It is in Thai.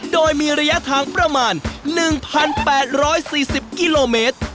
โดยมีระยะทางประมาณ๑๘๔๐กิโลเมตร